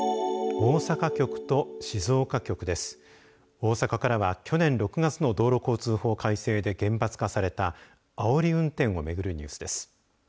大阪からは去年６月の道路交通法改正で厳罰化されたあおり運転をめぐるニュースです。